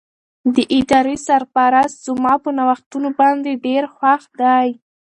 د ادارې سرپرست زما په نوښتونو باندې ډېر خوښ دی.